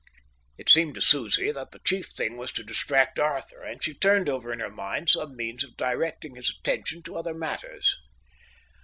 It seemed to Susie that the chief thing was to distract Arthur, and she turned over in her mind some means of directing his attention to other matters.